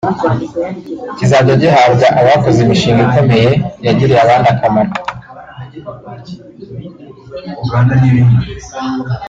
kizajya gihabwa abakoze imishinga ikomeye yagiriye abandi akamaro